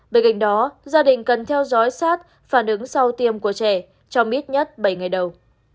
bên cạnh đó gia đình cần theo dõi sát phản ứng sau tiêm của trẻ trong ít nhất bảy ngày đầu